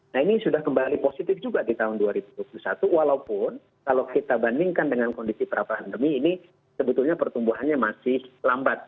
nah ini sudah kembali positif juga di tahun dua ribu dua puluh satu walaupun kalau kita bandingkan dengan kondisi perabah pandemi ini sebetulnya pertumbuhannya masih lambat